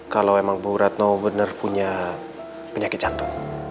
kalau memang bu retno benar punya penyakit jantung